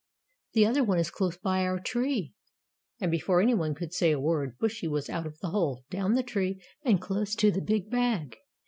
"The other one is close by our tree," and before any one could say a word, Bushy was out of the hole, down the tree, and close to the big bag.